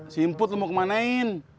si input lu mau kemanain